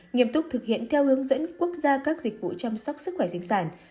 nghiêm túc thực hiện theo hướng dẫn quốc gia các dịch vụ chăm sóc sức khỏe sinh sản